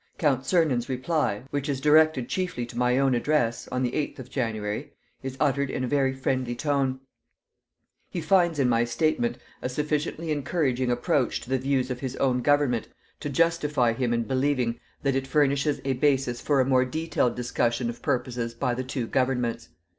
"Count Czernin's reply, which is directed chiefly to my own address, on the eighth of January, is uttered in a very friendly tone. "He finds in my statement a sufficiently encouraging approach to the views of his own government to justify him in believing that it furnishes a basis for a more detailed discussion of purposes by the two governments.